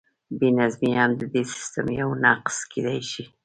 بې نظمي هم د دې سیسټم یو نقص کیدی شي.